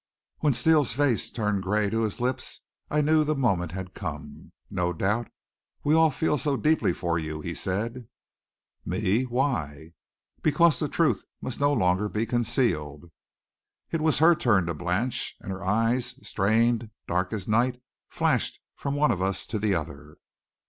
When Steele's face turned gray to his lips I knew the moment had come. "No doubt. We all feel so deeply for you," he said. "Me? Why?" "Because the truth must no longer be concealed." It was her turn to blanch, and her eyes, strained, dark as night, flashed from one of us to the other.